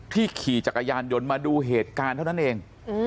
ขี่จักรยานยนต์มาดูเหตุการณ์เท่านั้นเอง